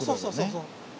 そうそう。